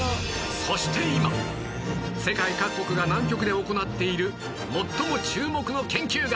そして今世界各国が南極で行っている最も注目の研究が